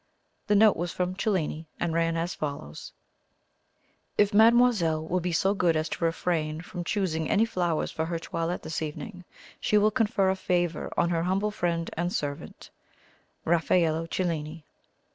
The note was from Cellini, and ran as follows: "If mademoiselle will be so good as to refrain from choosing any flowers for her toilette this evening, she will confer a favour on her humble friend and servant, "RAFFAELLO CELLINI."